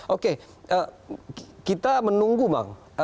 oke kita menunggu bang